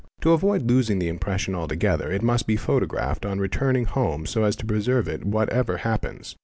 'To avoid losing the impression altogether it must h 2 photographed on returning home so as to preserve it whatever happens.